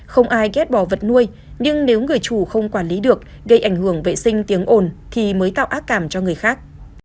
không ai ghép bỏ vật nuôi nhưng nếu người chủ không quản lý được gây ảnh hưởng vệ sinh tiếng ồn thì mới tạo ác cảm cho người khác